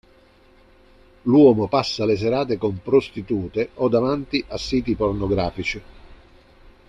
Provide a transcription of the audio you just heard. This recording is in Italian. L'uomo passa le serate con prostitute o davanti a siti pornografici.